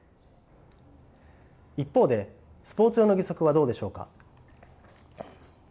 一方でスポーツ用の義足はどうでしょうか。